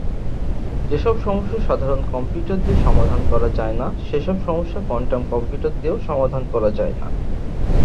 যেসব সমস্যা সাধারণ কম্পিউটার দিয়ে সমাধান করা যায়না সেসব সমস্যা কোয়ান্টাম কম্পিউটার দিয়েও সমাধান করা যায়না।